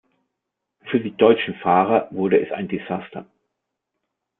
Für die deutschen Fahrer wurde es ein Desaster.